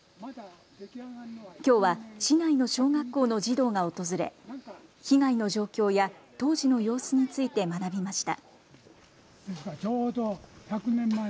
きょうは市内の小学校の児童が訪れ被害の状況や当時の様子について学びました。